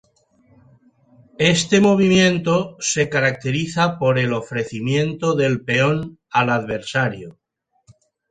Este movimiento se caracteriza por el ofrecimiento del peón al adversario.